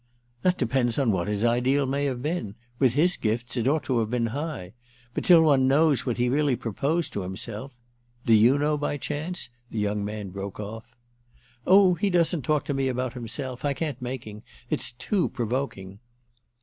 "That depends on what his ideal may have been. With his gifts it ought to have been high. But till one knows what he really proposed to himself—? Do you know by chance?" the young man broke off. "Oh he doesn't talk to me about himself. I can't make him. It's too provoking."